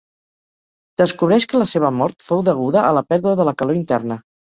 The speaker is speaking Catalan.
Descobreix que la seva mort fou deguda a la pèrdua de la calor interna.